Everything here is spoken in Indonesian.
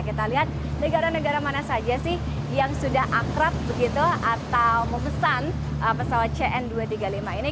kita lihat negara negara mana saja sih yang sudah akrab begitu atau memesan pesawat cn dua ratus tiga puluh lima ini